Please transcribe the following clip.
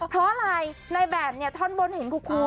เพราะอะไรในแบบเนี่ยท่อนบนเห็นทุกคน